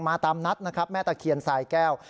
มาตามนัดแม่ตะเคียนสายแก้ว